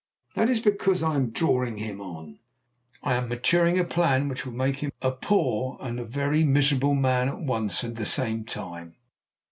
That is because I am drawing him on. I am maturing a plan which will make him a poor and a very miserable man at one and the same time.